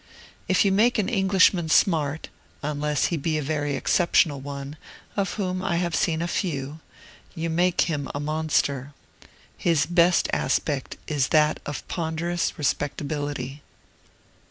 If you make an Englishman smart (unless he be a very exceptional one, of whom I have seen a few), you make him a monster; his best aspect is that of ponderous respectability.